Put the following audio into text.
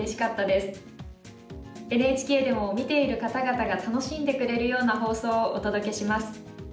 ＮＨＫでも見ている方々が楽しんでくれるような放送をお届けします。